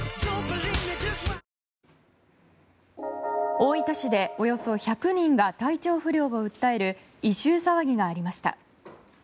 大分市でおよそ１００人が体調不良を訴える異臭騒ぎがありました。